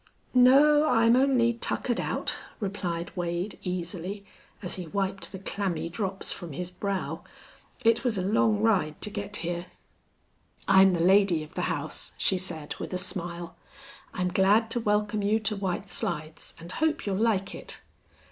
"No. I'm only tuckered out," replied Wade, easily, as he wiped the clammy drops from his brow. "It was a long ride to get here." "I'm the lady of the house," she said, with a smile. "I'm glad to welcome you to White Slides, and hope you'll like it."